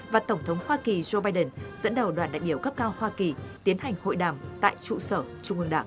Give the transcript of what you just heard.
và tổng thống hoa kỳ joe biden dẫn đầu đoàn đại biểu cấp cao hoa kỳ tiến hành hội đàm tại trụ sở trung ương đảng